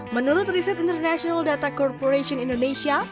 menurut riset international data corporation indonesia